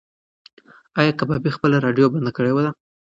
ایا کبابي خپله راډیو بنده کړې ده؟